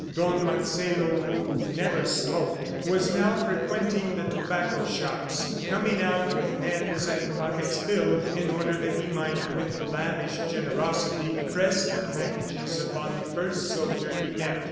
Don Marcelo, who had never smoked, was now frequenting the tobacco shops, coming out with hands and pockets filled in order that he might, with lavish generosity, press the packages upon the first soldier he met.